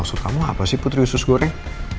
maksud kamu apa sih putri usus goreng